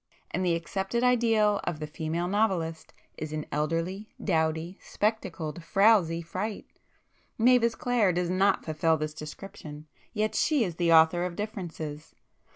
And the accepted ideal of the female novelist, is an elderly, dowdy, spectacled, frowsy fright,—Mavis Clare does not fulfil this description, yet she is the author of 'Differences.